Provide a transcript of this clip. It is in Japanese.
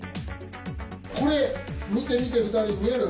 これ見て見て２人見える？